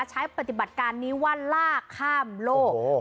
ใช้ปฏิบัติการนี้ว่าลากข้ามโลก